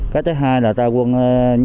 cái thứ hai là ta quân tuyên truyền